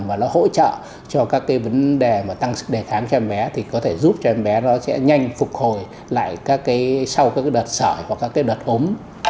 và nó hỗ trợ cho các cái vấn đề mà tăng sức đề kháng cho em bé thì có thể giúp cho em bé nó sẽ nhanh phục hồi lại các cái sau các đợt sởi hoặc các cái đợt ốm